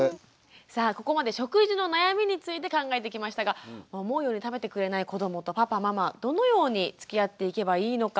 さあここまで食事の悩みについて考えてきましたが思うように食べてくれない子どもとパパママどのようにつきあっていけばいいのか